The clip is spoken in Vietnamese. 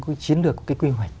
có cái chiến lược có cái quy hoạch